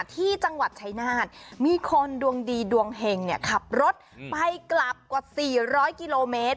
ที่จังหวัดชายนาฏมีคนดวงดีดวงเห็งเนี่ยขับรถไปกลับกว่า๔๐๐กิโลเมตร